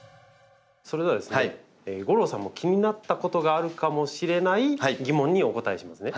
それではですね吾郎さんも気になったことがあるかもしれない疑問にお答えしますね。